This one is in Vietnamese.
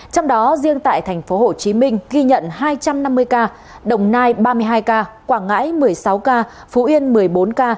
trong đó riêng tại tp hcm ghi nhận hai trăm năm mươi ca đồng nai ba mươi hai ca quảng ngãi một mươi sáu ca phú yên một mươi bốn ca